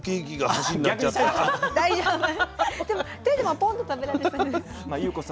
でも手でもポンと食べられそうです。